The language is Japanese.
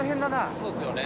そうですよね。